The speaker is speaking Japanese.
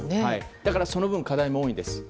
だからその分課題も多いんです。